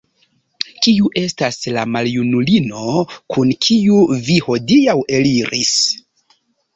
Kiu estas la maljunulino, kun kiu vi hodiaŭ eliris?